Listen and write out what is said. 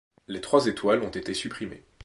Les trois étoiles ont été supprimées.